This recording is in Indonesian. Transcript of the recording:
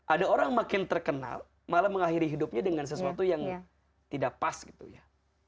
ada orang makin terkenal malah mengakhiri hidupnya dengan sesuatu yang tidak pas gitu ya